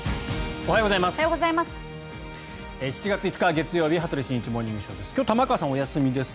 おはようございます。